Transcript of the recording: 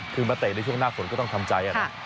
คือมาเตะในช่วงหน้าฝนก็ต้องทำใจนะ